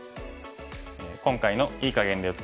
今回の“いい”かげんで打つ感覚